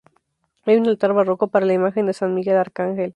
Hay un altar barroco para la imagen de San Miguel Arcángel.